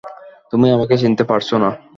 তুমি আমাকে চিনতে পারছ না?